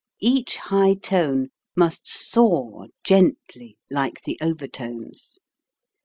Each high tone must soar gently, like the overtones.